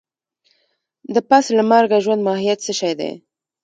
د پس له مرګه ژوند ماهيت څه شی دی؟